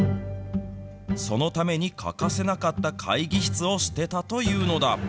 そのために欠かせなかった会議室を捨てたというのだ。